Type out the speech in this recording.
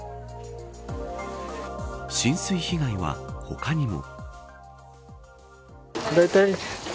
浸水被害は他にも。